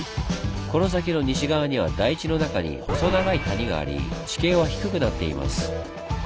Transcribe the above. この先の西側には台地の中に細長い谷があり地形は低くなっています。